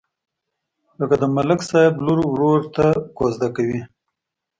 لکه د ملک صاحب لور ورور ته کوزده کوي.